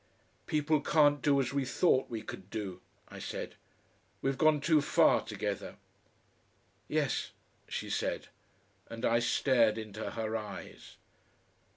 "People can't do as we thought we could do," I said. "We've gone too far together." "Yes," she said, and I stared into her eyes.